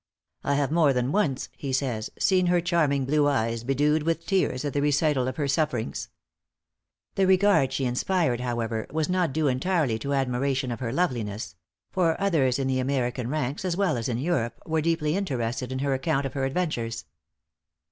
"I have more than once," he says, "seen her charming blue eyes bedewed with tears, at the recital of her sufferings." The regard she inspired, however, was not due entirely to admiration of her loveliness; for others in the American ranks, as well as in Europe, were deeply interested in her account of her adventures.